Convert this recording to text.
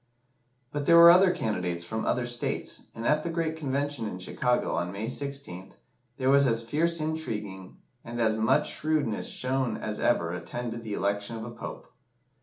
But there were other candidates from other states, and at the great Convention in Chicago, on May 16th, there was as fierce intriguing and as much shrewdness shown as ever attended the election of a Pope.